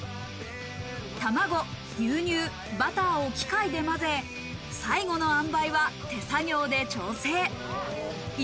卵、牛乳、バターを機械で混ぜ最後の塩梅は手作業で調整。